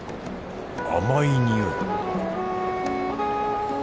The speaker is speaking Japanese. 甘いにおい